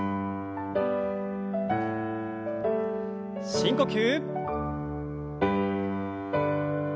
深呼吸。